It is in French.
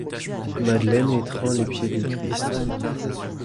Madeleine étreint les pieds du Christ.